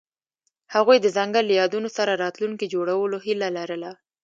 هغوی د ځنګل له یادونو سره راتلونکی جوړولو هیله لرله.